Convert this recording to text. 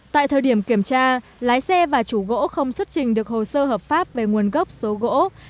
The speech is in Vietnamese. tại thời điểm kiểm tra lái xe và chủ gỗ không xuất trình được hồ sơ hợp pháp về nguồn lực